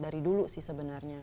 dari dulu sih sebenarnya